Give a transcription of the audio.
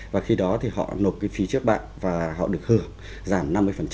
và khi đó thì họ nộp cái phí trước bạn và họ được hưởng giảm năm mươi